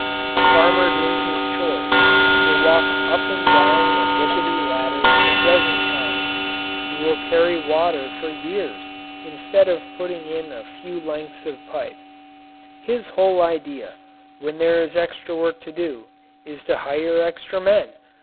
A farmer doing his chores will walk up and down a rickety ladder a dozen times. He will carry water for years instead of putting in a few lengths of pipe. His whole idea, when there is extra work to do, is to hire extra men.